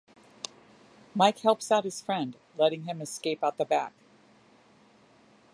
Mike helps out his friend, letting him escape out the back.